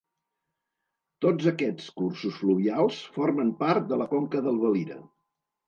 Tots aquests cursos fluvials formen part de la conca del Valira.